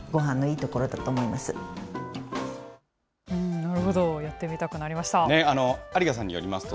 なるほど、やってみたくなりました。